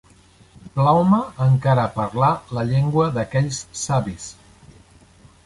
Plau-me encara parlar la llengua d'aquells savis